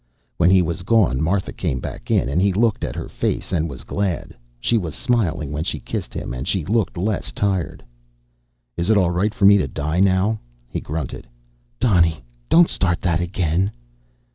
When he was gone, Martha came back in, and he looked at her face and was glad. She was smiling when she kissed him, and she looked less tired. "Is it all right for me to die now?" he grunted. "Donny, don't start that again."